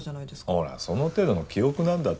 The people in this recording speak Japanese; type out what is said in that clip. ほらその程度の記憶なんだって。